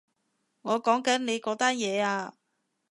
我講緊你嗰單嘢啊